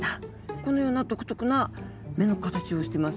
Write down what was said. このような独特な目の形をしてます。